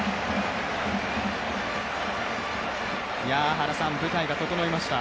原さん、舞台が整いました。